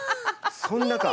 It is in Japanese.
そんなか。